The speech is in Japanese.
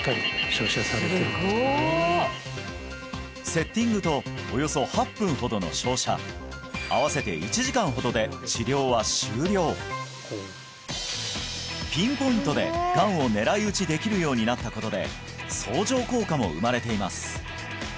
セッティングとおよそ８分ほどの照射合わせてピンポイントでがんを狙いうちできるようになったことで相乗効果も生まれています